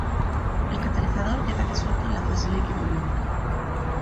El catalizador queda disuelto en la fase líquido iónico.